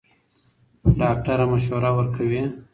ډاکټره مشوره ورکوي.